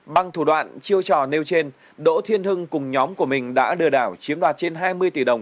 bằng thủ đoạn chiêu trò nêu trên đỗ thiên hưng cùng nhóm của mình đã lừa đảo chiếm đoạt trên hai mươi tỷ đồng